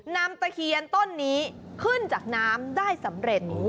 ตะเคียนต้นนี้ขึ้นจากน้ำได้สำเร็จ